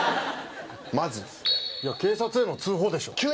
まずいや警察への通報でしょ